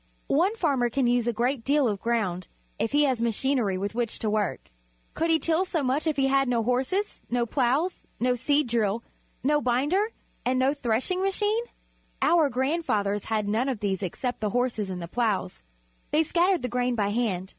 One farmer can use a great deal of ground if he has machinery with which to work. Could he till so much if he had no horses, no ploughs, no seed drill, no binder, and no threshing machine? Our grand fathers had none of these except the horses and the ploughs. They scattered the grain by hand.